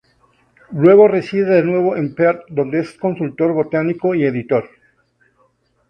Luego reside de nuevo en Perth donde es consultor botánico y editor.